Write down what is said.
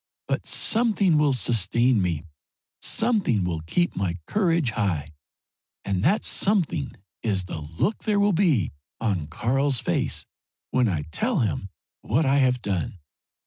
But something will sustain me; something will keep my courage high, and that something is the look there will be on Karl's face when I tell him what I have done.